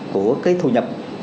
của cái thu nhập